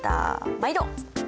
毎度。